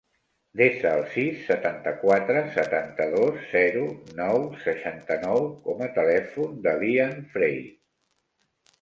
Desa el sis, setanta-quatre, setanta-dos, zero, nou, seixanta-nou com a telèfon de l'Ian Frade.